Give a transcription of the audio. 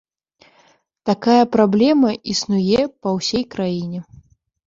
Такая праблема існуе па ўсёй краіне.